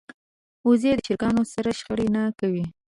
وزې د چرګانو سره شخړه نه کوي